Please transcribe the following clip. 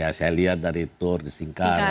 ya saya lihat dari tour di singkarak